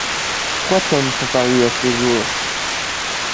Trois tomes sont parus à ce jour.